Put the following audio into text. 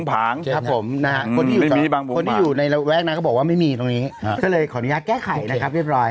ผมนะคนที่อยู่ในแว๊กนะก็บอกว่าไม่มีตัวนี้เลยขออนุญาตแก้ไขนะครับเรียบร้อยค่ะ